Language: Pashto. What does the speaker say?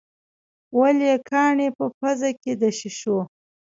ولې کاڼي په پزه کې د شېشو.